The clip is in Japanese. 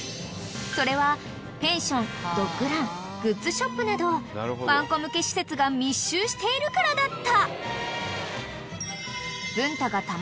［それはペンションドッグラングッズショップなどワンコ向け施設が密集しているからだった］